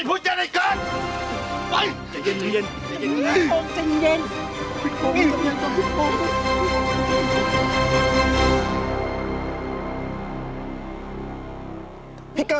โอ้โฮ